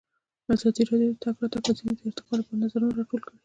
ازادي راډیو د د تګ راتګ ازادي د ارتقا لپاره نظرونه راټول کړي.